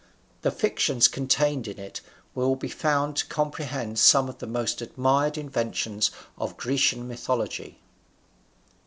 The fictions contained in it will be found to comprehend some of the most admired inventions of Grecian mythology.